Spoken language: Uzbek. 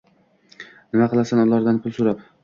Nima qilasan ulardan pul soʻrab?